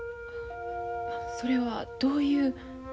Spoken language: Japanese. それはどういう？